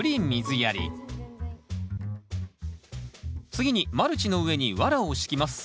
次にマルチの上にワラを敷きます。